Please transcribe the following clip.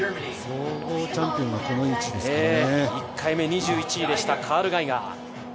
１回目２１位でした、カール・ガイガー。